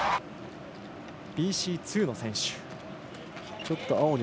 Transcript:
ＢＣ２の選手。